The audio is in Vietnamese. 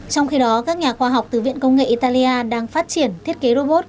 trong khi đó các nhà khoa học từ viện công nghệ italia đang phát triển thiết kế robot